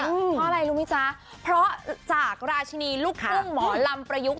เพราะอะไรรู้ไหมจ๊ะเพราะจากราชินีลูกทุ่งหมอลำประยุกต์